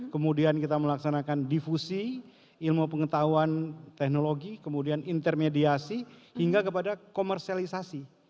kemudian kita melaksanakan difusi ilmu pengetahuan teknologi kemudian intermediasi hingga kepada komersialisasi